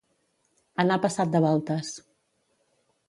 Anar passat de voltes.